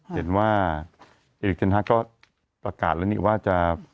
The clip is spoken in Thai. เห็นว่าเอกเทนฮักก็ประกาศแล้วนี่ว่าจะ